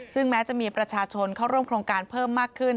ซึ่งแม้จะมีประชาชนเข้าร่วมโครงการเพิ่มมากขึ้น